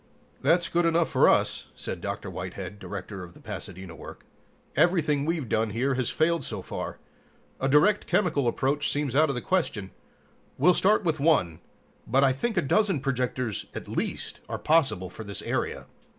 "That's good enough for us," said Dr. Whitehead, director of the Pasadena work. "Everything we've done here has failed so far. A direct chemical approach seems out of the question. We'll start with one, but I think a dozen projectors, at least, are possible for this area."